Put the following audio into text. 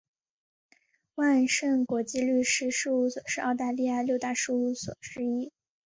万盛国际律师事务所是澳大利亚六大律师事务所之一。